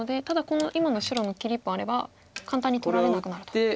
ただこの今の白の切り１本あれば簡単に取られなくなると。